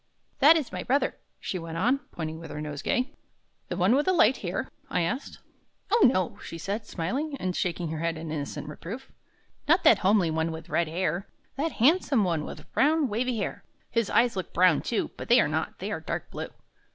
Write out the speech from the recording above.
"That is my brother," she went on, pointing with her nosegay. "The one with the light hair?" I asked. "O, no;" she said, smiling and shaking her head in innocent reproof; "not that homely one with red hair; that handsome one with brown, wavy hair. His eyes look brown, too; but they are not, they are dark blue.